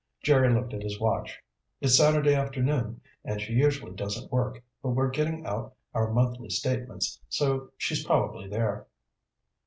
Jerry looked at his watch. "It's Saturday afternoon, and she usually doesn't work, but we're getting out our monthly statements, so she's probably there."